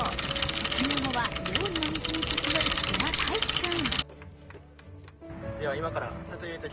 卒業後は料理の道に進む志賀太智君。